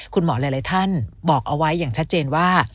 คุณหมอหลายท่านบอกเอาไว้อย่างชัดเจนว่า